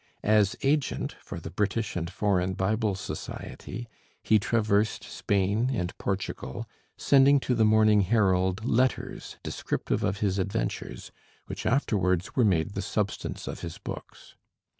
As agent for the British and Foreign Bible Society he traversed Spain and Portugal, sending to the Morning Herald letters descriptive of his adventures, which afterwards were made the substance of his books.